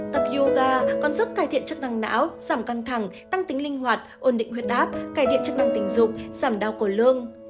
tập yoga còn giúp cải thiện chức năng não giảm căng thẳng tăng tính linh hoạt ổn định huyết áp cải thiện chức năng tình dục giảm đau cổ lương